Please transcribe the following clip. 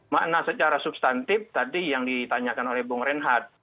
makna secara substantif tadi yang ditanyakan oleh bung reinhardt